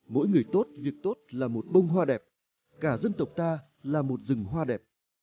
mỗi người tốt việc tốt là một bông hoa đẹp cả dân tộc ta là một rừng hoa đẹp